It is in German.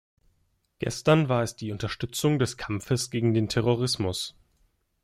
Gestern war es die Unterstützung des Kampfes gegen den Terrorismus.